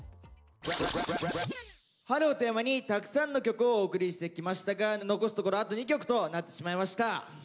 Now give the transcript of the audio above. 「春」をテーマにたくさんの曲をお送りしてきましたが残すところあと２曲となってしまいました。